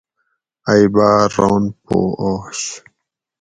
ائی باۤر ران پو آش